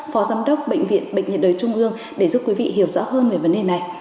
phó giám đốc bệnh viện bệnh nhiệt đới trung ương để giúp quý vị hiểu rõ hơn về vấn đề này